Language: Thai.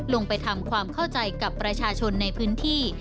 ลงไปทำความเข้าใจกับประชาชนในพื้นที่